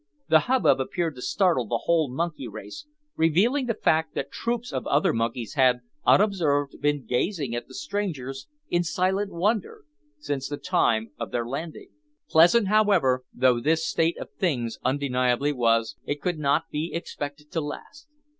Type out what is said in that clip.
The hubbub appeared to startle the whole monkey race, revealing the fact that troops of other monkeys had, unobserved, been gazing at the strangers in silent wonder, since the time of their landing. Pleasant however, though this state of things undeniably was, it could not be expected to last.